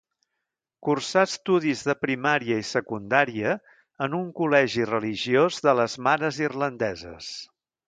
Cursà estudis de primària i secundària en un col·legi religiós de les Mares Irlandeses.